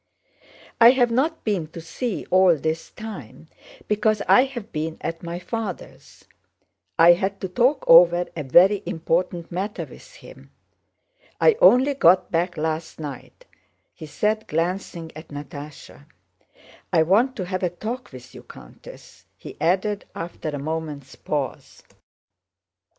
"I have not been to see you all this time because I have been at my father's. I had to talk over a very important matter with him. I only got back last night," he said glancing at Natásha; "I want to have a talk with you, Countess," he added after a moment's pause.